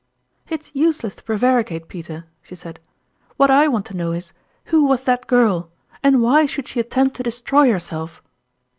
" It's useless to prevaricate, Peter !" she said. " What I want to know is, who was that girl, and why should she attempt to destroy herself?"